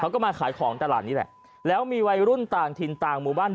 เขาก็มาขายของตลาดนี้แหละแล้วมีวัยรุ่นต่างถิ่นต่างหมู่บ้าน